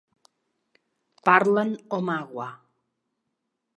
Parlen Omagua.